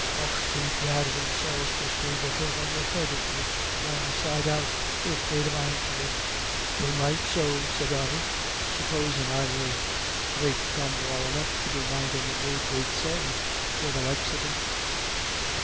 Och bedad themselves 'ud persuade the hair on your head it grew wrong side out, if they'd a mind to it." "They might so," said Ody, "supposin' I was great gomeral enough to be mindin' a word they'd say, or the likes of them."